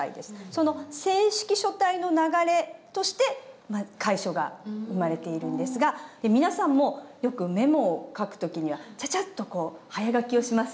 その正式書体の流れとして楷書が生まれているんですが皆さんもよくメモを書く時にはチャチャッと早書きをしますよね。